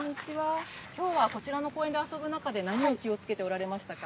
きょうはこちらの公園で遊ぶ中で何を気をつけておられましたか？